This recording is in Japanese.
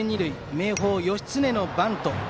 明豊、義経のバント。